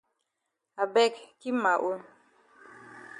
I beg keep ma own.